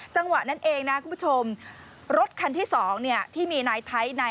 จังหวะนั้นเองนะคุณผู้ชมรถคันที่๒เนี่ยที่มีนายไทยใน